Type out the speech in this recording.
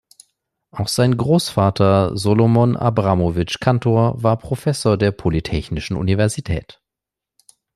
Auch sein Großvater, Solomon Abramowitsch Kantor war Professor der Polytechnischen Universität.